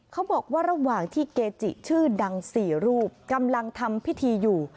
เขาบอกว่าระหว่างที่เกจิชื่อดัง๔รูปกำลังทำพิธีอยู่